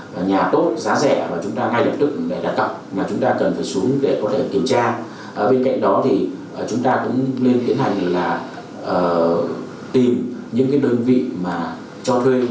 bên cạnh đó thì chúng ta cũng nên tiến hành là tìm những cái đơn vị mà cho thuê